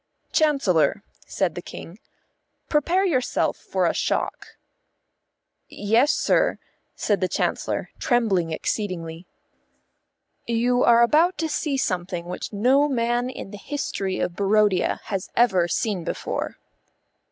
"Chancellor," said the King, "prepare yourself for a shock." "Yes, sir," said the Chancellor, trembling exceedingly. "You are about to see something which no man in the history of Barodia has ever seen before."